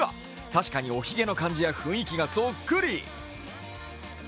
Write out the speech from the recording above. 確かにおひげの感じや雰囲気がそっくり。